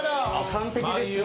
「完璧ですよ」